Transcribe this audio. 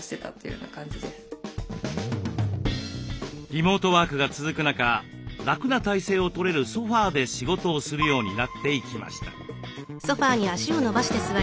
リモートワークが続く中楽な体勢をとれるソファーで仕事をするようになっていきました。